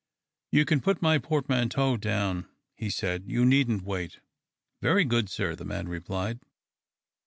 " You can put my portmanteau down," he said ;" you needn't wait." " Very good, sir," the man replied.